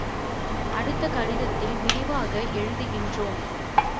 அடுத்த கடிதத்தில் விரிவாக எழுதுகின்றோம்.